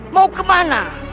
mau kemana